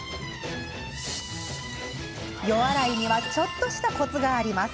予洗いにはちょっとコツがあります。